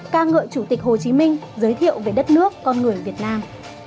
ca ngợi chủ tịch hồ chí minh giới thiệu về đất nước con người việt nam